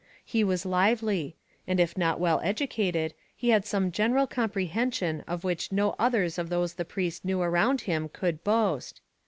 He was lively; and if not well educated, he had some little general comprehension of which no others of those the priest knew around him could boast.